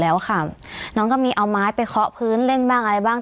แล้วค่ะน้องก็มีเอาไม้ไปเคาะพื้นเล่นบ้างอะไรบ้าง